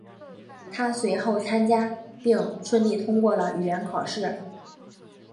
他随后参加并顺利通过了语言考试。